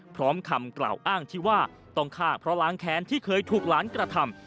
คำกล่าวอ้างที่ว่าต้องฆ่าเพราะล้างแค้นที่เคยถูกหลานกระทำ